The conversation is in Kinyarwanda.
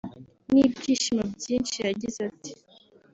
n’ibyishimo byinshi yagize ati